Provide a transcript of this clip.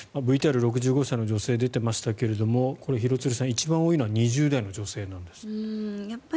ＶＴＲ６５歳の女性が出ていましたが廣津留さん、一番多いのは２０代の女性なんですって。